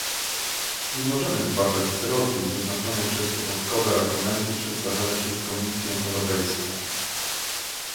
Nie możemy zbaczać z drogi wyznaczonej przez początkowe argumenty przedstawione przez Komisję Europejską